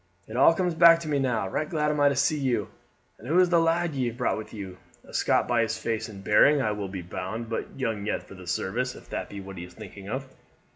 "It all comes back to me now. Right glad am I to see you. And who is the lad ye have brought with you? A Scot by his face and bearing, I will be bound, but young yet for the service if that be what he is thinking of."